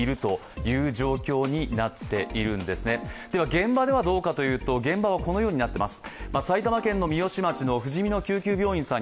現場ではどうかというとこのようになっています。